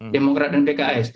demokrat dan pki